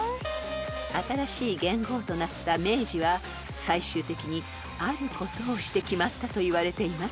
［新しい元号となった明治は最終的にあることをして決まったといわれています］